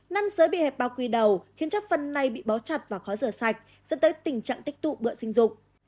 năm giới bị hẹp bao quy đầu khiến chất phân này bị bó chặt và khó rửa sạch dẫn tới tình trạng tích tụ bữa sinh dục